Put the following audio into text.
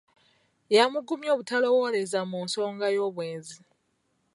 Yamugumya obutalowooleza mu nsonga y'obwenzi.